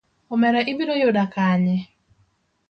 Omera ibiro yuda kanye?